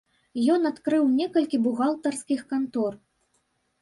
Ён адкрыў некалькі бухгалтарскіх кантор.